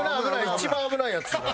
一番危ないやつ。